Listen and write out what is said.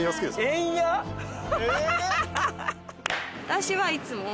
私はいつも。